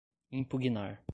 impugnar